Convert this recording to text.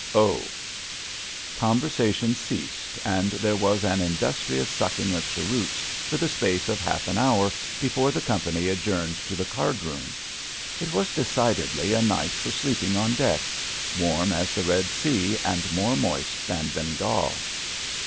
'''' OhI »' Conversation ceased, and there was an indus trious sucking of cheroots for the space of half an hour before the company adjourned to the card roonu It was decidedly a night for sleeping on deck — ^warm as the Red Sea and more moist than Bengal.